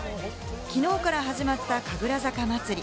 きのうから始まった神楽坂まつり。